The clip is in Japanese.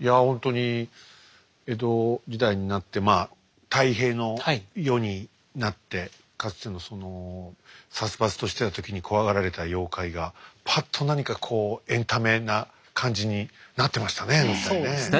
いやほんとに江戸時代になってまあ太平の世になってかつてのその殺伐としてた時に怖がられた妖怪がパッと何かこうエンタメな感じになってましたね。